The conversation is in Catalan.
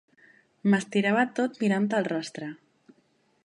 M'estirava tot mirant-te el rostre.